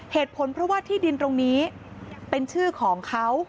เหตุผลเพราะว่าที่ดินตรงนี้เป็นชื่อของเขา